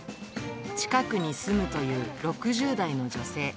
近くに住むという６０代の女性。